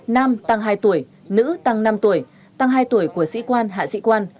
nam tăng hai tuổi nữ tăng năm tuổi tăng hai tuổi của sĩ quan hạ sĩ quan